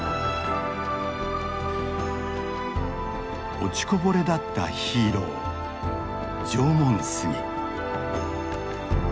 落ちこぼれだったヒーロー縄文杉。